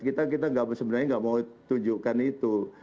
kita sebenarnya nggak mau tunjukkan itu